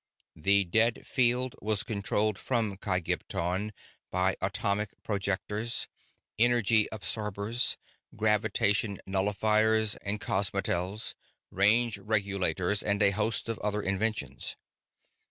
The dead field was controlled from Kygpton by atomic projectors, energy absorbers, gravitation nullifiers and cosmotels, range regulators, and a host of other inventions.